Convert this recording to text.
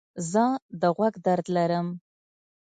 زه د غوږ درد لرم.